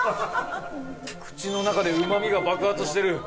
口の中でうまみが爆発してる。